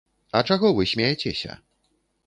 А чаго вы смяецеся?